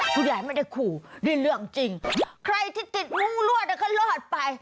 คุณยายไม่ได้ขู่นี่เรื่องจริงใครที่ติดงูรวดก็รอดไป